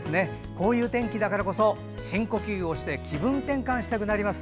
こういう天気だからこそ深呼吸をして気分転換したくなります。